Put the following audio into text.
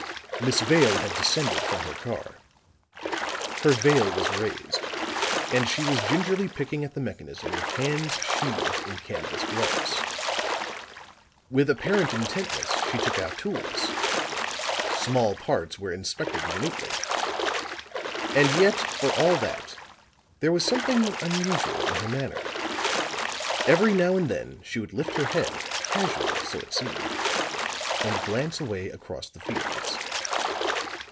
Miss Vale had descended from her car; her veil was raised, and she was gingerly picking at the mechanism with hands sheathed in canvas gloves. With apparent intentness she took out tools; small parts were inspected minutely. And yet, for all that, there was something unusual in her manner; every now and then she would lift her head, casually, so it seemed, and glance away across the fields.